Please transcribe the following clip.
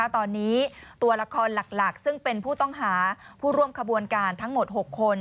ตอนนี้ตัวละครหลักซึ่งเป็นผู้ต้องหาผู้ร่วมขบวนการทั้งหมด๖คน